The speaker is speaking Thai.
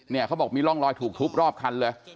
เนี่ยเขาบอกมีร่องอยถูกทุกป์รอบคันเลย